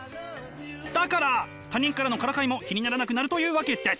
だから他人からのからかいも気にならなくなるというわけです！